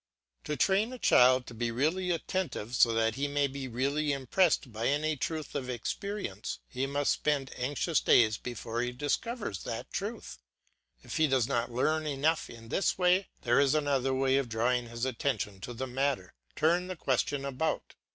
To train a child to be really attentive so that he may be really impressed by any truth of experience, he must spend anxious days before he discovers that truth. If he does not learn enough in this way, there is another way of drawing his attention to the matter. Turn the question about.